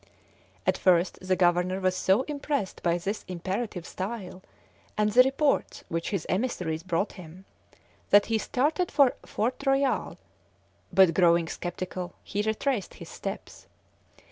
At first the Governor was so impressed by this imperative style, and the reports which his emissaries brought him, that he started for Fort Royal, but growing sceptical, he retraced his steps.